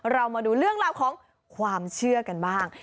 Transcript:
เรามาดูเรื่องราวของความเชื่อกันบ้าง